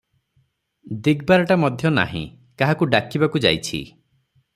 ଦିଗବାରଟା ମଧ୍ୟ ନାହିଁ, କାହାକୁ ଡାକିବାକୁ ଯାଇଛି ।